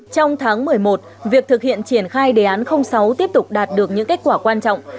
trong tháng một mươi một việc thực hiện triển khai đề án sáu tiếp tục đạt được những kết quả quan trọng